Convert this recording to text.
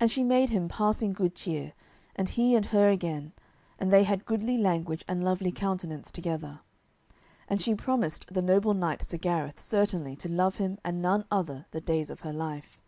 And she made him passing good cheer, and he her again, and they had goodly language and lovely countenance together. And she promised the noble knight Sir Gareth certainly to love him and none other the days of her life.